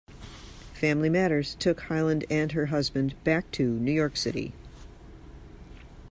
Family matters took Hyland and her husband back to New York City.